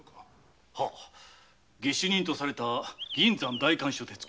下手人とされた銀山代官所手付